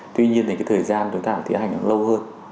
tuy nhiên thì thời gian chúng ta phải tiến hành lâu hơn